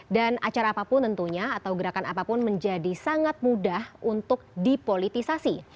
dan acara apapun tentunya atau gerakan apapun menjadi sangat mudah untuk dipolitisasi